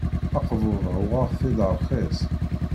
Akebbuḍ-a uɣeɣ-t-id rxis.